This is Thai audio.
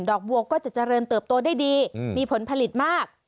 บัวก็จะเจริญเติบโตได้ดีมีผลผลิตมาก